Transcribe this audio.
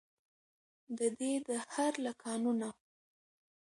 ددې دهر له قانونه.